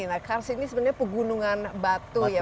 nah kars ini sebenarnya pegunungan batu ya